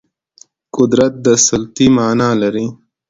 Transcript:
قدرت د سلطې معنا لري